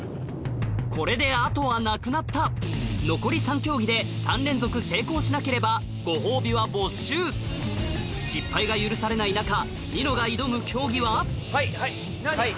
これで後はなくなった残り３競技で３連続成功しなければご褒美は没収失敗が許されない中ニノがはいはいはい。